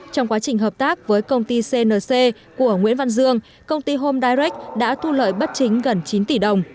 trong quá trình hợp tác với công ty cnc của nguyễn văn dương công ty homdayret đã thu lợi bất chính gần chín tỷ đồng